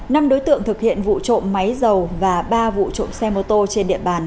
năm đối tượng thực hiện vụ trộm máy dầu và ba vụ trộm xe mô tô trên địa bàn